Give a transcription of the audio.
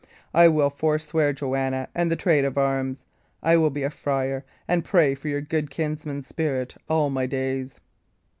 I will forswear Joanna and the trade of arms. I will be a friar, and pray for your good kinsman's spirit all my days."